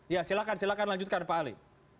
ya silakan silakan lanjutkan pak ali